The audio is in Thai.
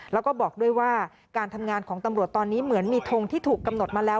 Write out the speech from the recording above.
แล้วก็บอกด้วยว่าการทำงานของตำรวจตอนนี้เหมือนมีทงที่ถูกกำหนดมาแล้ว